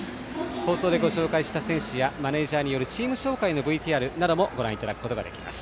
放送でご紹介した選手やマネージャーによるチーム紹介のＶＴＲなどもご覧いただくことができます。